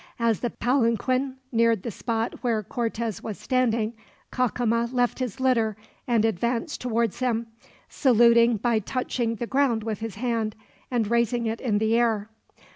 As the palanquin neared the spot where Cortez was standing, Cacama left his litter and advanced towards him; saluting by touching the ground with his hand, and raising it in the air.